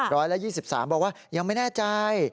ร้อยละ๒๓บอกว่ายังไม่แน่ใจ